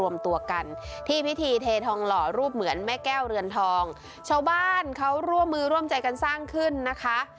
แม่แก้วเรือนทองชาวบ้านเขาร่วมมือร่วมใจกันสร้างขึ้นนะคะ